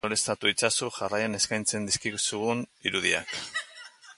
Koloreztatu itzazu jarraian eskaintzen dizkizugun irudiak.